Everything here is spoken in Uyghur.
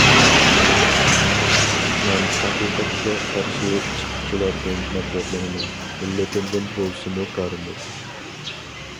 مەن ھەقىقەتكە قارشى چىققۇچىلاردىن نەپرەتلىنىمەن، مىللىتىمدىن بولسىمۇ كارىم يوق.